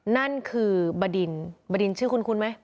นั่นคือบดินบดินชื่อคุ้นไหม